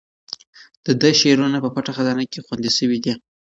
د ده شعرونه په پټه خزانه کې خوندي شوي دي.